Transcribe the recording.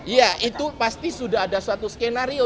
iya itu pasti sudah ada suatu skenario